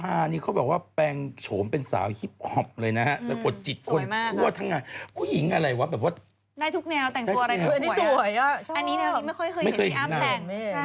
อันนี้ไม่เคยเคยเห็นพี่อ้ำแต่งเมฆใช่ไม่เคยเห็นอันเนี้ย